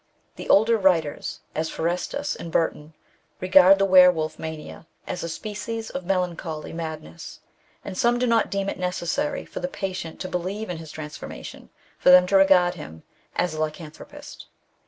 The older writers, as Forestus and Burton, regard the were wolf mania as a species of melancholy madness, and some do not deem it necessary for the patient to believe in his transformation for them to regard him as a lycan thropist.